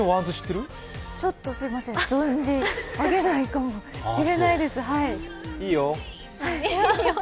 ちょっとすいません存じ上げないかもしれないです。